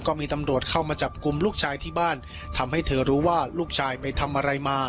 ก็มีตำรวจเข้ามาจับกลุ่มลูกชายที่บ้านทำให้เธอรู้ว่าลูกชายไปทำอะไรมา